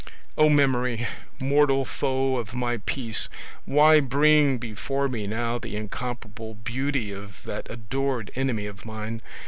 Oh memory, mortal foe of my peace! why bring before me now the incomparable beauty of that adored enemy of mine?